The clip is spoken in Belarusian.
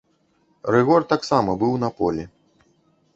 Рыгор таксама быў на полі.